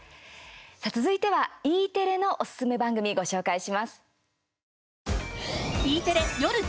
さあ、続いてはＥテレのおすすめ番組、ご紹介します。